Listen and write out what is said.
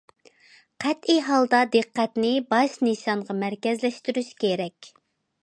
قەتئىي ھالدا دىققەتنى باش نىشانغا مەركەزلەشتۈرۈش كېرەك.